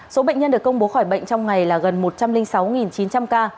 số bệnh nhân được công bố khỏi bệnh trong ngày là gần một trăm linh sáu chín trăm linh ca